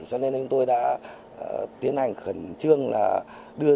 cho nên tôi đã tiến hành khẩn trương đưa đối tượng